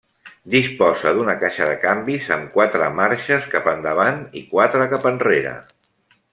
Disposa d'una caixa de canvis amb quatre marxes cap endavant i quatre cap enrere.